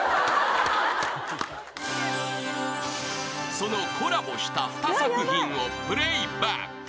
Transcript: ［そのコラボした２作品をプレーバック］